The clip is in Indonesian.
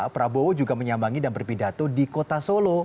prabowo juga menyambangi dan berpidato di kota solo